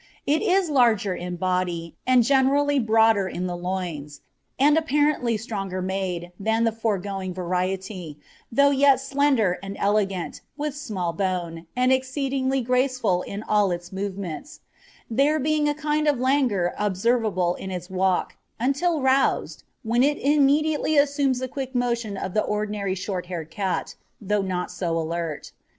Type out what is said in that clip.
It is larger in body, and generally broader in the loins, and apparently stronger made, than the foregoing variety, though yet slender and elegant, with small bone, and exceedingly graceful in all its movements, there being a kind of languor observable in its walk, until roused, when it immediately assumes the quick motion of the ordinary short haired cat, though not so alert.